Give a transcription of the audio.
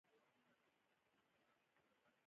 تاسې وږي شولئ.